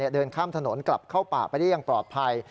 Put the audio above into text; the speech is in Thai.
เดินข้ามถนนกลับเข้าป่าไปได้อย่างปลอดภัย